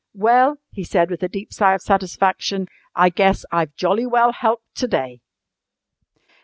"Well," he said with a deep sigh of satisfaction, "I guess I've jolly well helped to day!"